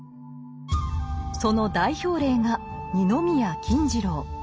その代表例が二宮金次郎。